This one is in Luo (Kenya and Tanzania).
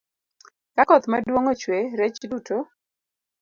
Ka koth maduong' ochwe, rech duto